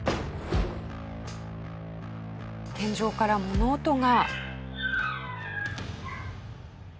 天井から物音が。